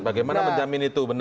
bagaimana menjamin itu benar